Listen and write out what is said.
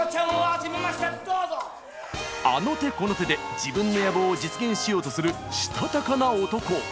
あの手この手で自分の野望を実現しようとするしたたかな男。